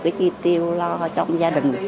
cái chi tiêu lo trong gia đình